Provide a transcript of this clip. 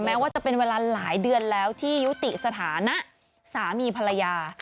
แม้ว่าจะเป็นเวลาหลายเดือนแล้วที่ยุติสถานะสามีภรรยา